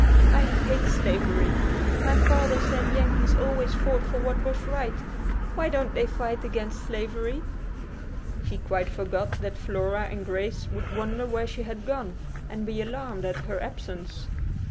"I hate slavery. My father said Yankees always fought for what was right. Why don't they fight against slavery?" She quite forgot that Flora and Grace would wonder where she had gone, and be alarmed at her absence.